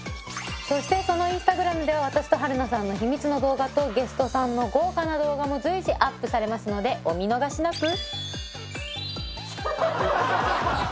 そしてそのインスタグラムでは私と春菜さんの秘密の動画とゲストさんの豪華な動画も随時アップされますのでお見逃しなく！